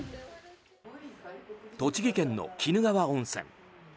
栃木県の鬼怒川温泉。